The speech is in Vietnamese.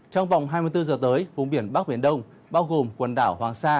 trong vòng hai mươi bốn giờ tới vùng biển bắc biển đông bao gồm quần đảo hoàng sa